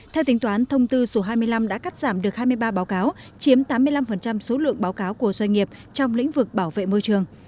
theo tính toán thông tư số hai mươi năm đã cắt giảm được hai mươi ba báo cáo chiếm tám mươi năm số lượng báo cáo của doanh nghiệp trong lĩnh vực bảo vệ môi trường